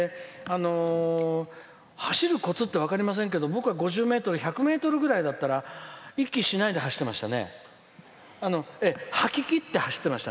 走るコツって分かりませんけど５０ｍ１００ｍぐらいだったら息をしないで意識しないで走ってましたね。